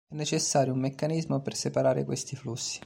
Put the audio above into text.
È necessario un meccanismo per separare questi flussi.